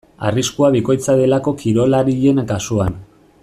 Arriskua bikoitza delako kirolarien kasuan.